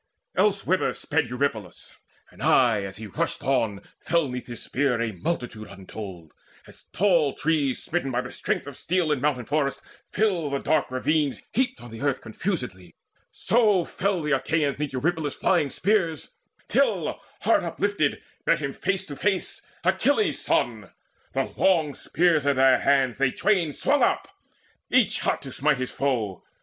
Elsewhither sped Eurypylus; and aye as he rushed on Fell 'neath his spear a multitude untold. As tall trees, smitten by the strength of steel In mountain forest, fill the dark ravines, Heaped on the earth confusedly, so fell The Achaeans 'neath Eurypylus' flying spears Till heart uplifted met him face to face Achilles' son. The long spears in their hands They twain swung up, each hot to smite his foe.